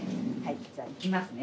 じゃあいきますね